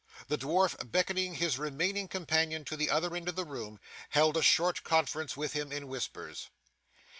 The dwarf beckoning his remaining companion to the other end of the room, held a short conference with him in whispers.